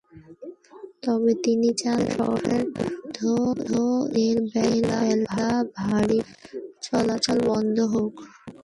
তবে তিনি চান, শহরের মধ্যে দিনের বেলা ভারী যান চলাচল বন্ধ হোক।